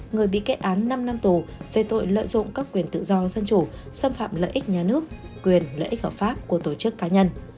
người bị kết án năm năm tù về tội lợi dụng các quyền tự do dân chủ xâm phạm lợi ích nhà nước quyền lợi ích hợp pháp của tổ chức cá nhân